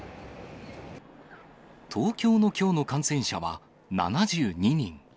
東京のきょうの感染者は７２人。